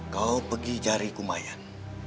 kau pergi cari kumayan